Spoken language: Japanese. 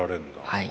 はい。